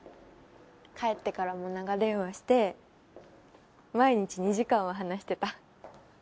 帰ってからも長電話して毎日２時間は話してた。